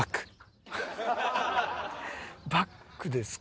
バックですか。